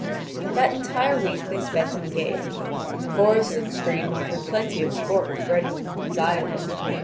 That entire week they spent in gaiety; forest and stream offered plenty of sport for any one who desired it.